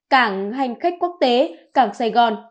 cảng hành khách quốc tế cảng sài gòn